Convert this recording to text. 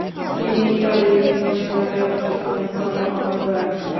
তিনি ইতালির বিভিন্ন এলাকায় অনুসন্ধান কর্ম অব্যাহত রাখেন।